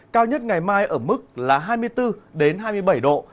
cao nhất ngày mai ở mức là hai mươi bốn hai mươi bảy độ